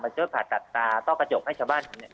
มาช่วยผ่าตัดตาต้อกระจกให้ชาวบ้าน